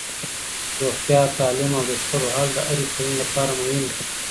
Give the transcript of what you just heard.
روغتیا، تعلیم او د شخړو حل د هرې ټولنې لپاره مهم دي.